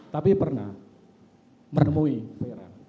tapi pernah menemui fer